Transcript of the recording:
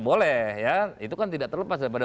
boleh ya itu kan tidak terlepas daripada